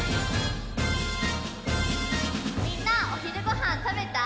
みんなおひるごはんたべた？